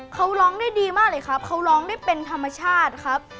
เขาร้องได้ดีมากเลยครับเขาร้องได้เป็นธรรมชาติครับ